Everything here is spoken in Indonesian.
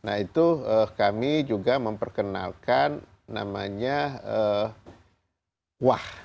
nah itu kami juga memperkenalkan namanya wah